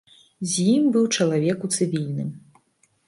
З ім быў чалавек у цывільным.